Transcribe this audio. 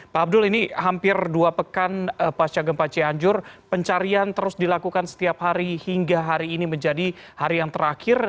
pak abdul ini hampir dua pekan pasca gempa cianjur pencarian terus dilakukan setiap hari hingga hari ini menjadi hari yang terakhir